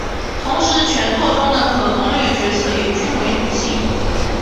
同时全作中的可攻略角色也均为女性。